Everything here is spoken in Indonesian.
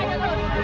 ajar dong ajar